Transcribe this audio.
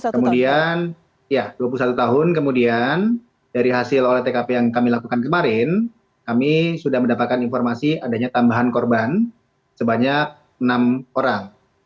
kemudian ya dua puluh satu tahun kemudian dari hasil olah tkp yang kami lakukan kemarin kami sudah mendapatkan informasi adanya tambahan korban sebanyak enam orang